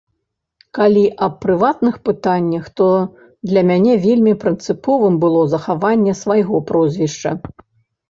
Калі аб прыватных пытаннях, то для мяне вельмі прынцыповым было захаванне свайго прозвішча.